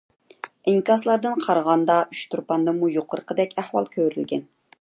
ئىنكاسلاردىن قارىغاندا ئۇچتۇرپاندىمۇ يۇقىرىقىدەك ئەھۋال كۆرۈلگەن.